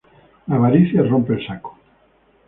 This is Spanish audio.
La avaricia rompe el saco